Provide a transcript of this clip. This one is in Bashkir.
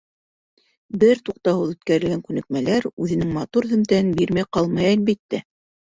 Бер туҡтауһыҙ үткәрелгән күнекмәләр үҙенең матур һөҙөмтәһен бирмәй ҡалмай, әлбиттә.